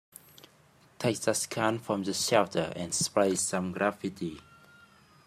Take that can from the shelter and spray some graffiti.